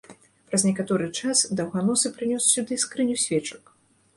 Праз некаторы час даўганосы прынёс сюды скрыню свечак.